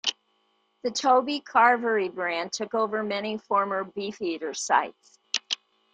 The Toby Carvery brand took over many former Beefeater sites.